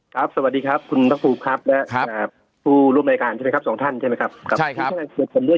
ครับสวัสดีครับคุณพระภูมิครับและผู้ร่วมรายการใช่ไหมครับสองท่านใช่ไหมครับ